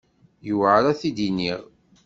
Yewɛeṛ ad t-id-iniɣ.